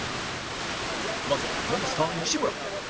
まずはモンスター西村